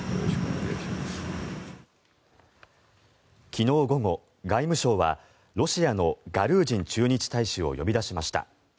昨日午後、外務省はロシアのガルージン駐日大使を呼び出しました。